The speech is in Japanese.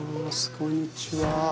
こんにちは。